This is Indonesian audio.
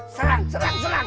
serang serang serang